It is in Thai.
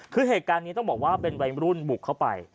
คือเหตุการณ์นี้ต้องบอกว่าเป็นวัยรุ่นบุกเข้าไป